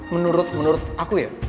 menurut aku ya